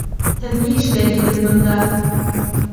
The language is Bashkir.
Һеҙ ни эшләйһегеҙ бында?